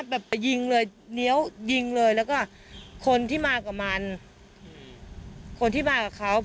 ไปยิงเลยเลี้ยวยิงเลยแล้วก็คนที่มากับมันคนที่มากับเขา